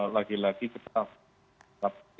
lagi lagi kita akan mencari